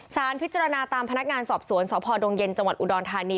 สารพิจารณาตามพนักงานสอบสวนสพดงเย็นจังหวัดอุดรธานี